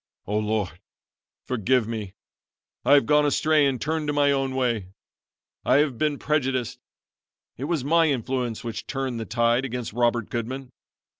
"Oh, Lord, forgive me. I have gone astray and turned to my own way. I have been prejudiced. It was my influence which turned the tide against Robert Goodman.